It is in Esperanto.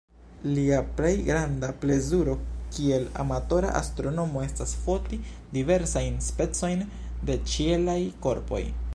Lia plej granda plezuro kiel amatora astronomo estas foti diversajn specojn de ĉielaj korpoj.